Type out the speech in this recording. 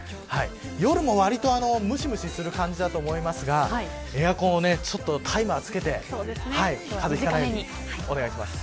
夜もわりとむしむしする感じだと思いますがエアコンをタイマーをつけて風邪をひかないようにお願いします。